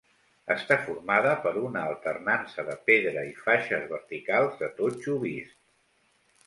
Està formada per una alternança de pedra i faixes verticals de totxo vist.